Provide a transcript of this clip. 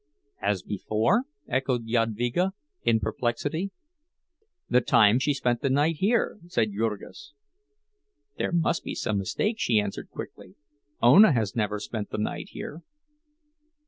"As before?" echoed Jadvyga, in perplexity. "The time she spent the night here," said Jurgis. "There must be some mistake," she answered, quickly. "Ona has never spent the night here."